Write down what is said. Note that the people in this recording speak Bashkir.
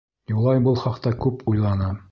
Юлай был хаҡта күп уйланы.